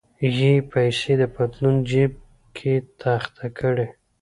یې پیسې د پتلون جیب کې تخته کړې.